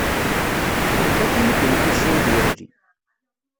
Tella tin i yenɣan Saɛid Waɛli.